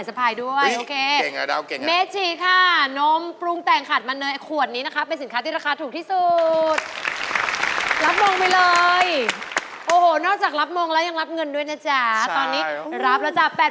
ใสตรีตรีสุดรับมงไปเลยโอ้โหนอกจากรับมงแล้วยังรับเงินด้วยนะจ๊ะตอนนี้รับเราจะ๘๐๐๐บาท